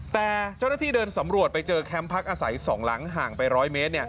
แต่เจ้าหน้าที่เดินสำรวจไปเจอแคมป์พักอาศัย๒หลังห่างไป๑๐๐เมตร